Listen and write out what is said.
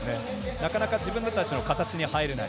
なかなか、自分たちの形に入れない。